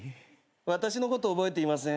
私のこと覚えていません？